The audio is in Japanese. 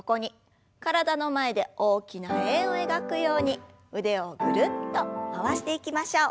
体の前で大きな円を描くように腕をぐるっと回していきましょう。